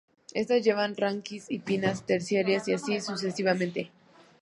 Estas llevan raquis y pinnas terciarias y así sucesivamente.